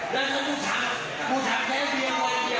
ตาอย่างง่ายต้องตี๓เม็ดเนี่ย